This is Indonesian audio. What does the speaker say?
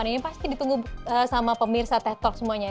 ini pasti ditunggu sama pemirsa teh talk semuanya